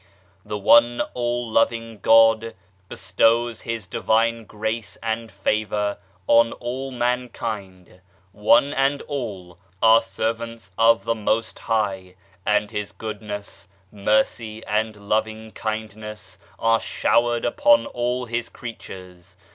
The one all loving God bestows His divine Grace and Favour on all mankind ; one and all are servants of the Most High, and His Goodness, Mercy and Loving Kindness are showered upon all His creatures.